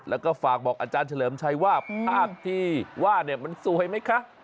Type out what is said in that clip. แล้วก็ฝากบอกอาจารย์เฉลิมชัยว่าภาพที่ว่าเนี่ยมันสวยไหมคะ